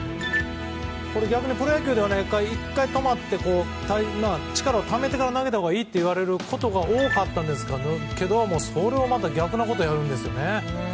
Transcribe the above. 逆にプロ野球では１回止まって力をためてから投げたほうがいいといわれることが多かったんですけど逆のことやるんですよね。